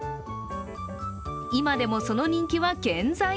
今でもその人気は健在。